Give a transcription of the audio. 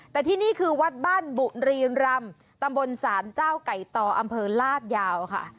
แต่ที่นี่คือวัดบ้านบุรีรำตำบลศาลเจ้าไก่ต่ออำเภอลาดยาวค่ะ